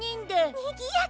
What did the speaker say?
にぎやか。